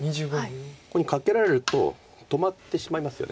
ここにカケられると止まってしまいますよね。